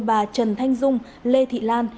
bà trần thanh dung lê thị lan